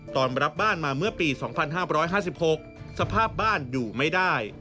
ตอนรับบ้านมาเมื่อปี๒๕๕๖สภาพบ้านอยู่ไม่ได้